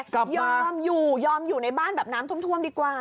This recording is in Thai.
ยอมอยู่ยอมอยู่ในบ้านแบบน้ำท่วมดีกว่า